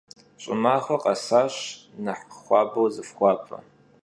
Ş'ımaxuer khesaş, nexh xuabeu zıfxuape.